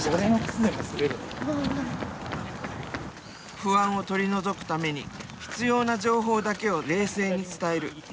不安を取り除くために必要な情報だけを冷静に伝える。